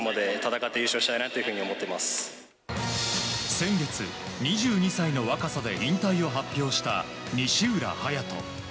先月、２２歳の若さで引退を発表した西浦颯大。